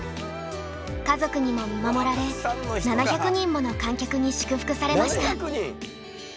家族にも見守られ７００人もの観客に祝福されました。